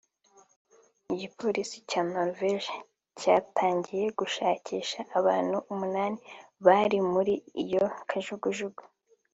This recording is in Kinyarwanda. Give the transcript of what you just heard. Igipolisi cya Norvege cyatangiye gushakisha abantu umunani bari muri iyo kajugujugu